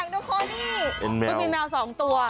มันเป็นแมว๒ตัว